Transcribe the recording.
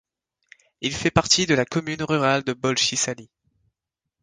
Il fait partie de la commune rurale de Bolchie Saly.